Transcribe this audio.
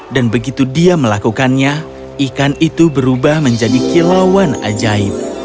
dan begitu dia melakukannya ikan itu berubah menjadi kilauan ajaib